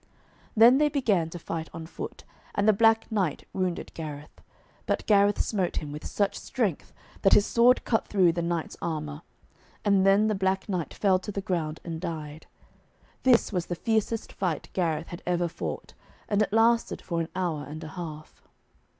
Then they began to fight on foot, and the Black Knight wounded Gareth, but Gareth smote him with such strength, that his sword cut through the knight's armour, and then the Black Knight fell to the ground and died. This was the fiercest fight Gareth had ever fought, and it lasted for an hour and a half.